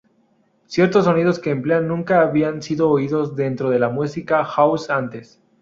Ciertos sonidos que emplea nunca habían sido oídos dentro de la música house antes.